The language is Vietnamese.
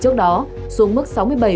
trước đó xuống mức sáu mươi bảy tám mươi năm